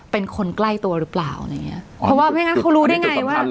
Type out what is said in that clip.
เป็นคนใกล้ตัวหรือเปล่าอะไรอย่างเงี้ยเพราะว่าไม่งั้นเขารู้ได้ไงว่า